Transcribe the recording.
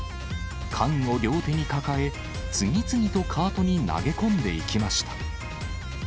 缶を両手に抱え、次々とカートに投げ込んでいきました。